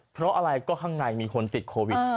เพราะอะไรก็ข้างในมีคนติดโควิด